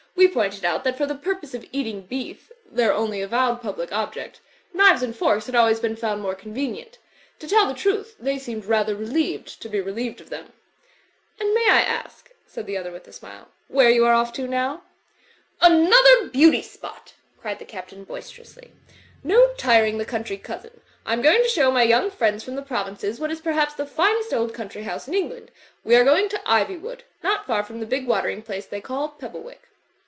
We pointed out that for the purpose of eating beef (their only avowed public object) knives and forks had always been fotmd more con venient. To tell the truth, th^y seemed rather re lieved to be relieved of them." "And may I ask," said the other with a smile, ''where you are off to now?" ''Another beauty spot!" cried the Captain, boister ously, '*no tiring the country cousin! I am going to show my young friends from the provinces what is perhaps the finest old coimtry house in England. We are going to Iv)rwood, not far from that big water ing place they call Pebblewick."